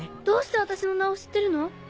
どうして私の名を知ってるの？